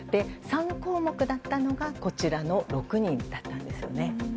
３項目だったのがこちらの６人だったんですよね。